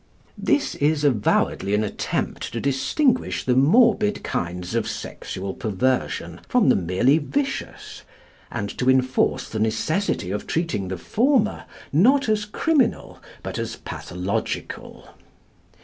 This is avowedly an attempt to distinguish the morbid kinds of sexual perversion from the merely vicious, and to enforce the necessity of treating the former not as criminal but as pathological.